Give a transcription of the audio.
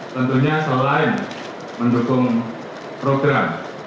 tentunya selain mendukung program